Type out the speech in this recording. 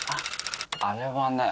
あれはね